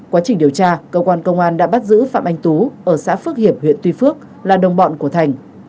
quá trình điều tra cơ quan công an đã bắt giữ phạm anh tú ở xã phước hiệp huyện tuy phước là đồng bọn của thành